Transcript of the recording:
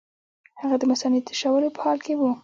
هغه د مثانې د تشولو په حال کې وو.